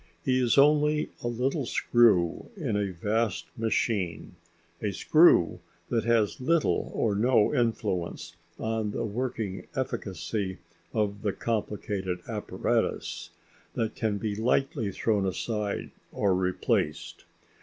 He is only a little screw in a vast machine a screw that has little or no influence on the working efficacy of the complicated apparatus, that can be lightly thrown aside or replaced.